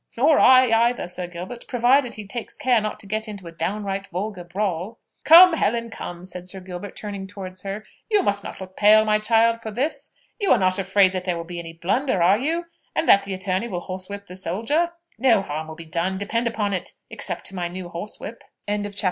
"Nor I, either, Sir Gilbert, provided he takes care not to get into a downright vulgar brawl." "Come, come, Helen," said Sir Gilbert, turning towards her, "you must not look pale, my child, for this. You are not afraid that there will be any blunder, are you? and that the attorney will horsewhip the soldier? No harm will be done, depend upon it, except to my new horsewhip." CHAPTER XII. MR.